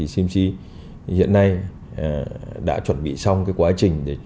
cmc hiện nay đã chuẩn bị xong quá trình